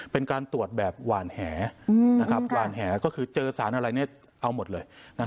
เป็นการตรวจแบบหวานแหหวานแหก็คือเจอสารอะไรเอาหมดเลย